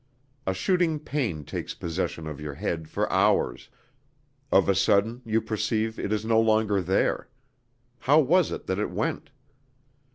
A shooting pain takes possession of your head for hours; of a sudden you perceive it is no longer there: how was it that it went?